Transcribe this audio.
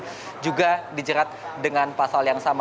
tidak dijerat dengan pasal yang sama